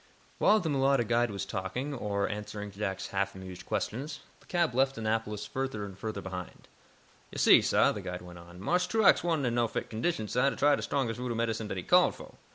While the mulatto guide was talking, or answering Jack's half amused questions, the cab left Annapolis further and further behind. "Yo' see, sah," the guide went on, "Marse Truax wa'n't in no fit condition, sah, to try de strongest voodoo medicine dat he called fo'.